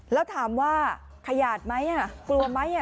แล้วถามว่าขยาดไหมกลัวไหม